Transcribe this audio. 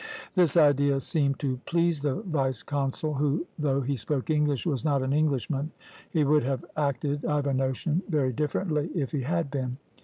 "This idea seemed to please the vice consul, who, though he spoke English, was not an Englishman; he would have acted, I've a notion, very differently if he had been.